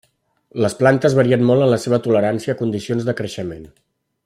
Les plantes varien molt en la seva tolerància a condicions de creixement.